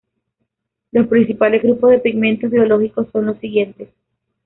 Los principales grupos de pigmentos biológicos son los siguientes.